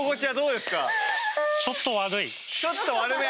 ちょっと悪め。